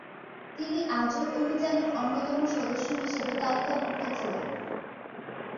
তিনি আজোর অভিযানের অন্যতম সদস্য হিসাবে তালিকাভুক্ত ছিলেন।